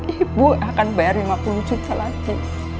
ibu akan bayar lima puluh cucu lagi